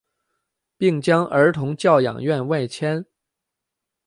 并将儿童教养院外迁。